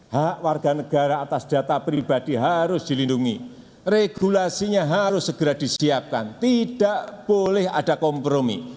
hak warga negara atas data pribadi harus dilindungi regulasinya harus segera disiapkan tidak boleh ada kompromi